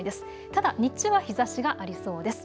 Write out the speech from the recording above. ただ日中は日ざしがありそうです。